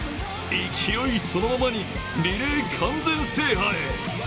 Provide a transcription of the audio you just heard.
勢いそのままにリレー完全制覇へ。